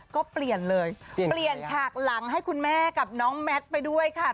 ก็เปลี่ยนเลยเปลี่ยนฉากหลังให้คุณแม่กับน้องแมทไปด้วยค่ะ